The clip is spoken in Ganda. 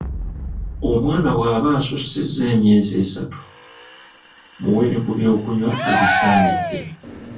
Omwana bw'aba asussizza emyezi esatu , muwe ne kubyokunywa ebisaanidde.